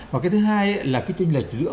và cái thứ hai là cái tranh lệch giữa